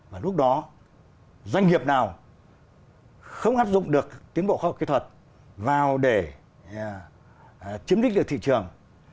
và lúc đó doanh nghiệp nào không áp dụng được tiến bộ khoa học kỹ thuật vào để chiếm đích được thị trường